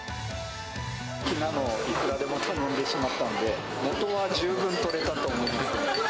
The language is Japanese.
好きなのをいくらでも頼んでしまったので、元は十分取れたと思いますね。